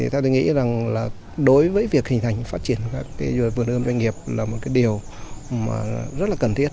tôi nghĩ đối với việc hình thành phát triển các vườn ưm doanh nghiệp là một điều rất là cần thiết